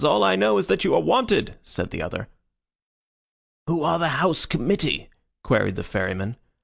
All I know is that you are wanted," said the other. "Who are the house committee?" queried the Ferryman.